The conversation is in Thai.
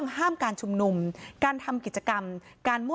ท่านอยากเป็นคนส์